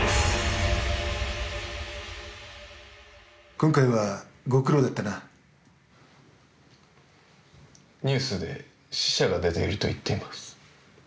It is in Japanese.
・今回はご苦労だったな・ニュースで死者が出ていると言っています。